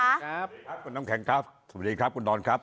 ครับครับคุณน้ำแข็งครับสวัสดีครับคุณดอนครับ